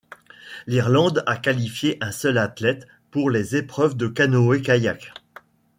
L’Irlande a qualifié un seul athlète pour les épreuves de Canoë-Kayak.